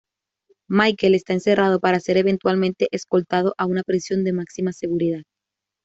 Michael está encerrado para ser eventualmente escoltado a una prisión de máxima seguridad.